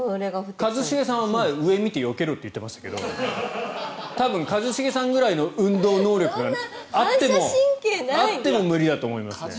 一茂さんは前、上を見てよけろと言っていましたけど多分、一茂さんぐらいの運動能力があっても無理だと思いますね。